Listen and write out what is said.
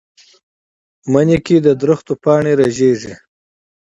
مني کې د ونو پاڼې رژېږي